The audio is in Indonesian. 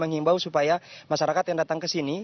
mengimbau supaya masyarakat yang datang ke sini